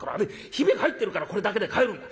ヒビが入ってるからこれだけで買えるんだ。